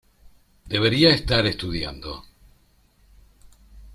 Debería estar estudiando.